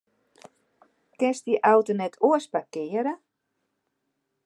Kinst dy auto net oars parkearje?